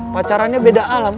pacarannya beda alam